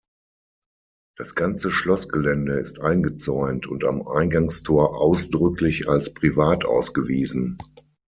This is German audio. Das ganze Schlossgelände ist eingezäunt und am Eingangstor ausdrücklich als privat ausgewiesen.